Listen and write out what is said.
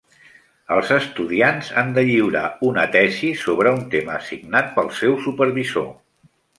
Els estudiants han de lliurar una tesis sobre un tema assignat pel seu supervisor.